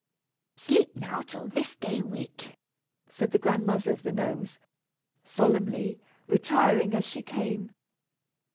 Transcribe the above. "Sleep now, till this day week!" said the Grandmother of the Gnomes, solemnly, retiring as she came.